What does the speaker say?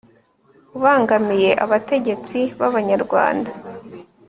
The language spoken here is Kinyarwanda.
ubangamiye abategetsi b'abanyarwanda